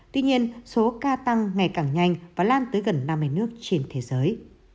tuy nhiên số ca tăng ngày càng nhanh và lan tới gần năm mươi nước trên thế giới